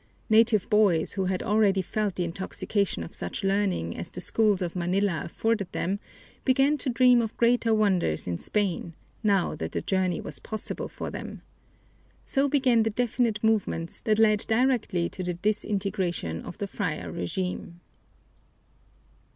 Native boys who had already felt the intoxication of such learning as the schools of Manila afforded them began to dream of greater wonders in Spain, now that the journey was possible for them. So began the definite movements that led directly to the disintegration of the friar régime.